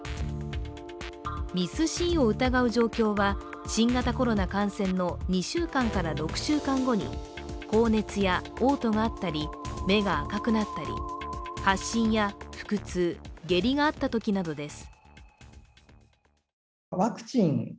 ＭＩＳ−Ｃを疑う状況は新型コロナ感染の２週間から６週間後に高熱やおう吐があったり、目が赤くなったり、発疹や腹痛、下痢があったときなどです。